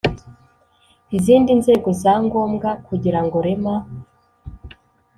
Izindi nzego za ngombwa kugira ngo rema